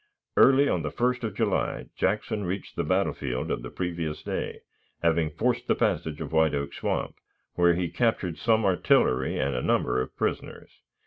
Early on the 1st of July Jackson reached the battlefield of the previous day, having forced the passage of White Oak Swamp, where he captured some artillery and a number of prisoners.